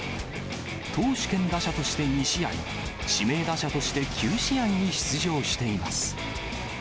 投手兼打者として２試合、指名打者として９試合に出場しています。